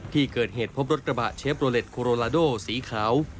ที่เกิดเหตุพบรถกระบะเชฟโลเล็ตโคโรลาโดสีขาว